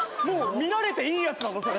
もう見られていいやつなの？